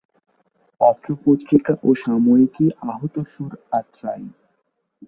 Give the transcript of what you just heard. পত্র-পত্রিকা ও সাময়িকী আহতসুর, আত্রাই।